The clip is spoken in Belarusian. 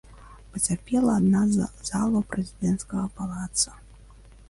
Пацярпела адна з залаў прэзідэнцкага палаца.